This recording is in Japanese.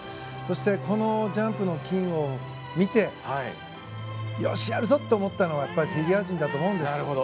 そして、このジャンプの金を見てよし、やるぞ！と思ったのはフィギュア陣だと思うんです。